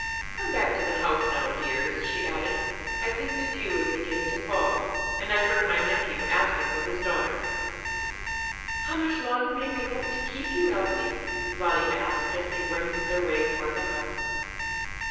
"Come back to the house now, dears," she added, "I think the dew is beginning to fall, and I heard my nephew asking for his daughter." "How much longer may we hope to keep you, Elsie?" Lottie asked as they wended their way toward the house.